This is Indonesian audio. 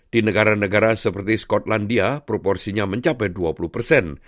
di negara negara seperti skotlandia proporsinya mencapai dua puluh persen